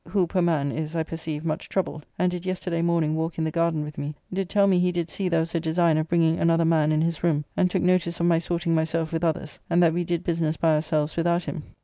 Who, poor man, is, I perceive, much troubled, and did yesterday morning walk in the garden with me, did tell me he did see there was a design of bringing another man in his room, and took notice of my sorting myself with others, and that we did business by ourselves without him.